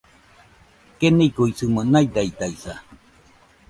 Keniguisɨmo naidaidaisa